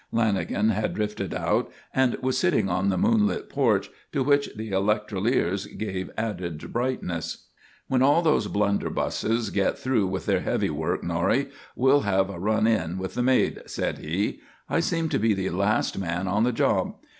Lanagan had drifted out and was sitting on the moonlit porch, to which the electroliers gave added brightness. "When all those blunderbusses get through with their heavy work, Norrie, we'll have a run in with the maid," said he. "I seem to be the last man on the job.